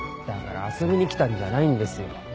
だから遊びに来たんじゃないんですよ。